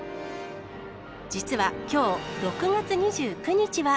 実はきょう６月２９日は。